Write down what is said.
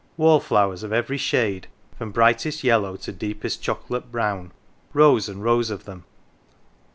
Wall flowers of every shade from brightest yellow to deepest choco late brown rows and rows of them.